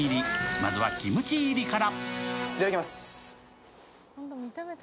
まずはキムチ入りから。